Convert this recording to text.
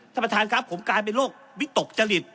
ท่านประธานครับผมกลายเป็นโรควิตกจริต